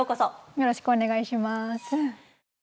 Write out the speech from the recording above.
よろしくお願いします。